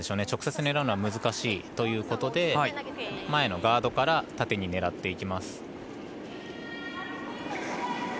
直接狙うのは難しいということで前のガードから縦に狙います。